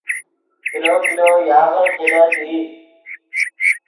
کلو کلو یاغے قلت ای